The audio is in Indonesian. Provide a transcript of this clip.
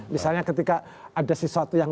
misalnya ketika ada sesuatu yang